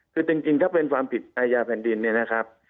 คือจริงถ้าเป็นความผิดในยาแผ่นดินนะครับ